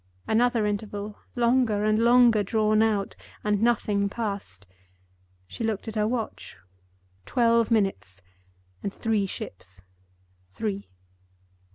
Another interval, longer and longer drawn out—and nothing passed. She looked at her watch. Twelve minutes, and three ships. Three.